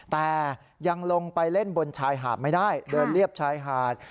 แต่ยังลงไปเล่นบนชายหาดไม่ได้เดินเรียบชายหาด